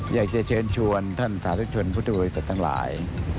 อยากจะเชิญชวนท่านศาสตร์ทุกชนผู้โดยศาสตร์ทั้งหลาย